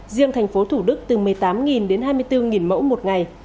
riêng tp thủ đức từ một mươi tám đến hai mươi bốn mẫu một ngày